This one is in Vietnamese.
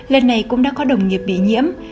lần này cũng đã có đồng nghiệp bị nhiễm